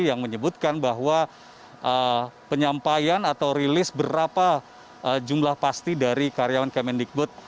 yang menyebutkan bahwa penyampaian atau rilis berapa jumlah pasti dari karyawan kemendikbud